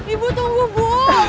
ibu tunggu bu